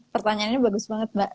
pertanyaannya bagus banget mbak